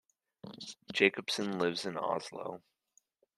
Jacobsen lives in Oslo.